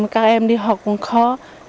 các em đi học cũng khó